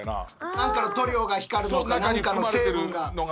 何かの塗料が光るのか何かの成分が。